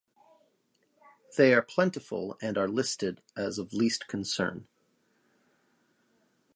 They are plentiful and are listed as of Least Concern.